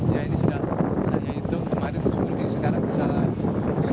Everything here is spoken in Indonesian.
ya ini sudah saatnya itu kemarin tujuh puluh persen sekarang busa hampir delapan puluh persen